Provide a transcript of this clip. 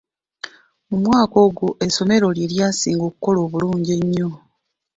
Mu mwaka ogwo essomero lye lyasinga okukola obulungi ennyo.